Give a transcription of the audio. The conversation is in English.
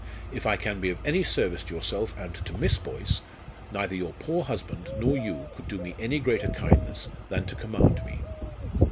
If I can be of any service to yourself and to Miss Boyce, neither your poor husband nor you could do me any greater kindness than to command me.